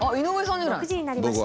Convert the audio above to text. ６時になりました。